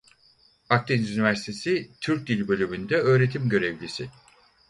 Akdeniz Üniversitesi Türk Dili Bölümü'nde öğretim görevlisi.